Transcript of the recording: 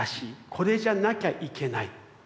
これじゃなきゃいけない。